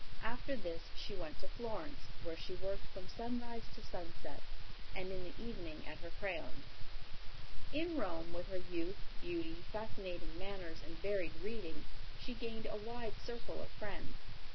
After this she went to Florence, where she worked from sunrise to sunset, and in the evening at her crayons. In Rome, with her youth, beauty, fascinating manners, and varied reading, she gained a wide circle of friends.